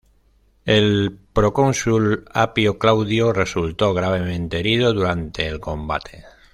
El procónsul Apio Claudio resultó gravemente herido durante el combate.